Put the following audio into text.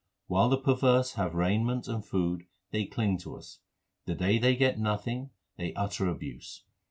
While the perverse have raiment and food they cling to us ; The day they get nothing they utter abuse.